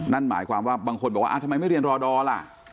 นั่นหมายความว่าบางคนบอกว่าทำไมไม่เรียนรอดอร์ล่ะ